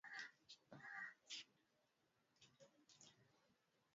Na John Muhindi Uwajeneza, wote kutoka kikosi cha sitini na tano cha jeshi la Rwanda.